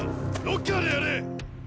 ロッカーでやれ！